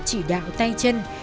chỉ đạo tay chân